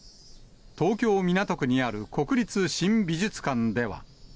東京・港区にある国立新美術館では。